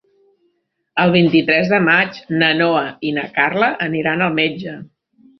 El vint-i-tres de maig na Noa i na Carla aniran al metge.